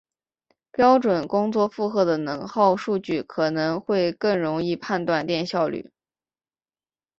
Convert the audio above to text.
标准工作负荷的能耗数据可能会更容易判断电效率。